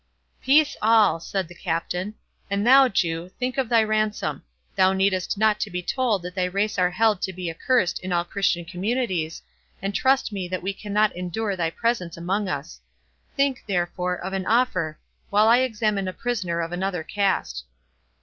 "Peace all!" said the Captain. "And thou, Jew, think of thy ransom; thou needest not to be told that thy race are held to be accursed in all Christian communities, and trust me that we cannot endure thy presence among us. Think, therefore, of an offer, while I examine a prisoner of another cast."